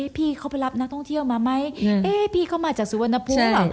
พี่เขาไปรับนักท่องเที่ยวมาไหมพี่เขามาจากสุวรรณภูมิหรือเปล่า